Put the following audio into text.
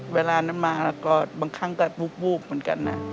เวลาน้ำมาแล้วก็บางครั้งก็วูบเหมือนกันนะ